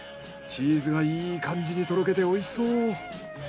チーズがいい感じにとろけておいしそう。